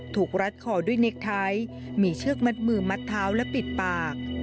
รัดคอด้วยเน็กไทท์มีเชือกมัดมือมัดเท้าและปิดปาก